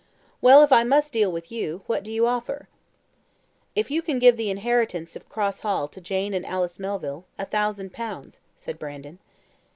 "Well, if I must deal with you, what do you offer?" "If you can give the inheritance of Cross Hall to Jane and Alice Melville, a thousand pounds," said Brandon.